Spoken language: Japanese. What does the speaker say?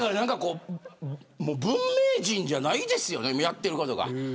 もう文明人じゃないですよねやってることが。